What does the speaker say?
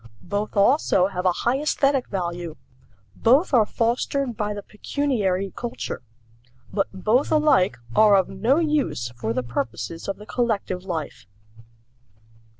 Both also have a high aesthetic value. Both are fostered by the pecuniary culture. But both alike are of no use for the purposes of the collective life.